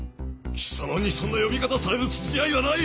貴様にそんな呼び方される筋合いはない！